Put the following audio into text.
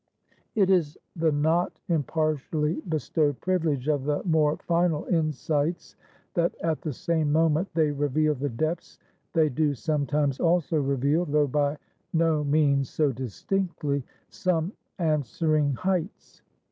It is the not impartially bestowed privilege of the more final insights, that at the same moment they reveal the depths, they do, sometimes, also reveal though by no means so distinctly some answering heights.